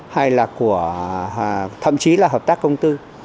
hay là của thậm chí là hợp tác công tư